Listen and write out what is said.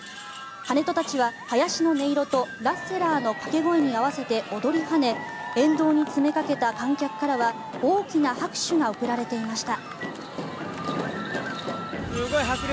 ハネトたちは、はやしの音色とラッセラーの掛け声に合わせて踊り跳ね沿道に詰めかけた観客からは大きな拍手が送られていました。